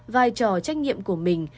vai trò trách nhiệm của mình